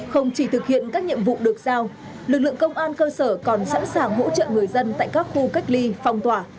không chỉ thực hiện các nhiệm vụ được giao lực lượng công an cơ sở còn sẵn sàng hỗ trợ người dân tại các khu cách ly phong tỏa